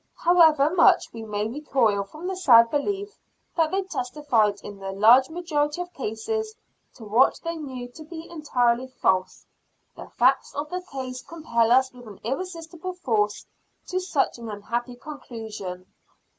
However much we may recoil from the sad belief that they testified in the large majority of cases to what they knew to be entirely false, the facts of the case compel us with an irresistible force to such an unhappy conclusion.